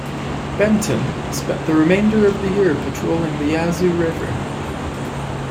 "Benton" spent the remainder of the year patrolling the Yazoo River.